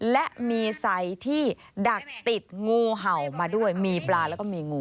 และมีไซที่ดักติดงูเห่ามาด้วยมีปลาแล้วก็มีงู